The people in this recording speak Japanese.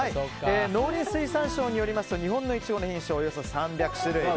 農林水産省によりますと日本のイチゴの品種およそ３００種類。